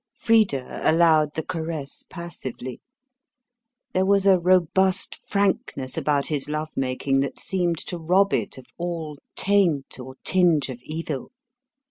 Frida allowed the caress passively. There was a robust frankness about his love making that seemed to rob it of all taint or tinge of evil.